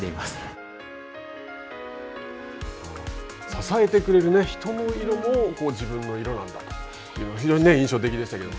支えてくれる人の色も自分の色なんだと非常に印象的でしたけど。